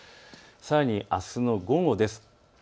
さらにあすの午後です。